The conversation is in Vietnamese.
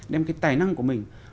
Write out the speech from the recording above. đem cái tài năng của mình